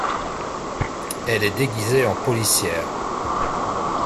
Elle est déguisée en policière.